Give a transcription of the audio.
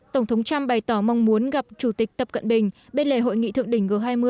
tổng thống trump bày tỏ mong muốn gặp chủ tịch tập cận bình bên lề hội nghị thượng đỉnh g hai mươi